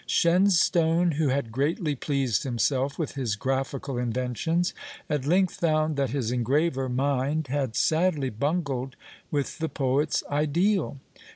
Shenstone, who had greatly pleased himself with his graphical inventions, at length found that his engraver, Mynde, had sadly bungled with the poet's ideal.